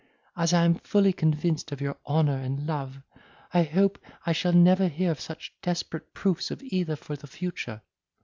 As I am fully convinced of your honour and love, I hope I shall never hear of such desperate proofs of either for the future.